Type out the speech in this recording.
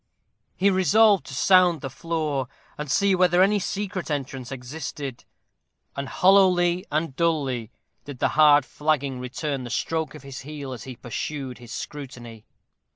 He resolved to sound the floor, and see whether any secret entrance existed; and hollowly and dully did the hard flagging return the stroke of his heel as he pursued his scrutiny.